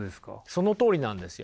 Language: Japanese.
そのとおりなんですよ。